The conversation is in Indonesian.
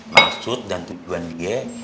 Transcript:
maksud dan tujuan dia